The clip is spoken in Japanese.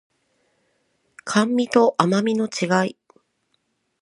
甘味と甘味の違い